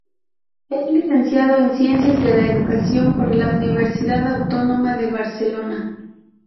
Es licenciado en Ciencias de la Educación por la Universidad Autónoma de Barcelona.